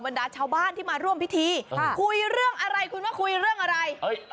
ดาชาวบ้านที่มาร่วมพิธีคุยเรื่องอะไรคุณว่าคุยเรื่องอะไร